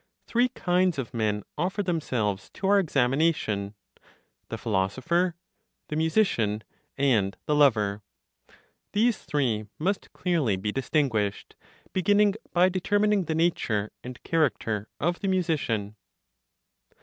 Three kinds of men offer themselves to our examination: the philosopher, the musician, and the lover. These three must clearly be distinguished, beginning by determining the nature and character of the musician.